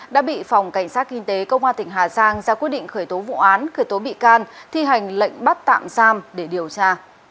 đã bị phòng cảnh sát kinh tế công an tỉnh hà giang ra quyết định khởi tố vụ án khởi tố bị can thi hành lệnh bắt tạm giam để điều tra